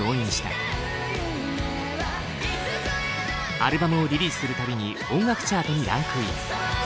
アルバムをリリースする度に音楽チャートにランクイン。